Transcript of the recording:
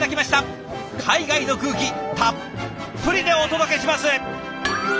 海外の空気たっぷりでお届けします。